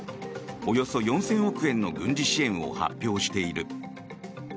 およそ４０００億円の軍事支援を発表している。